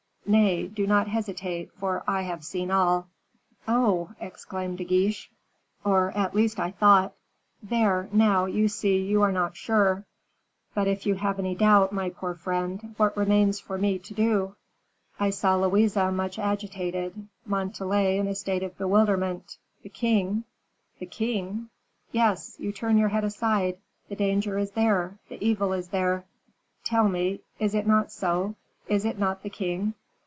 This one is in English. Nay, do not hesitate, for I have seen all." "Oh!" exclaimed De Guiche. "Or at least I thought " "There, now, you see you are not sure. But if you have any doubt, my poor friend, what remains for me to do?" "I saw Louise much agitated Montalais in a state of bewilderment the king " "The king?" "Yes. You turn your head aside. The danger is there, the evil is there; tell me, is it not so, is it not the king?"